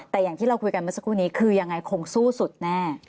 แต่อย่างที่เราคุยกันเมื่อสักครู่นี้คือยังไงคงสู้สุดแน่